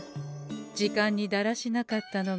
時間にだらしなかったのがう